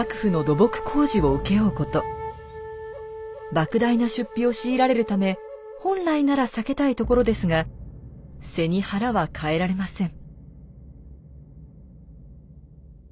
莫大な出費を強いられるため本来なら避けたいところですが背に腹は代えられません。